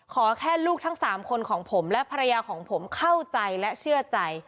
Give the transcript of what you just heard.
ขอแค่ลูกทั้ง๓คนของผมและภรรยาของผมเข้าใจและเชื่อใจ